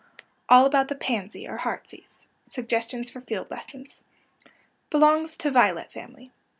ALL ABOUT THE PANSY OR HEARTSEASE SUGGESTIONS FOR FIELD LESSONS Belongs to violet family.